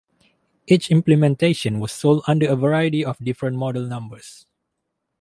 Each implementation was sold under a variety of different model numbers.